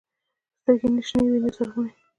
سترګې يې نه شنې وې نه زرغونې.